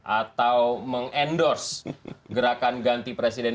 atau meng endorse gerakan ganti presiden dua ribu sembilan belas